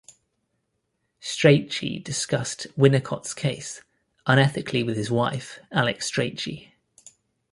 Strachey discussed Winnicott's case, unethically with his wife, Alix Strachey.